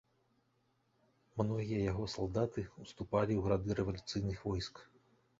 Многія яго салдаты ўступалі ў рады рэвалюцыйных войск.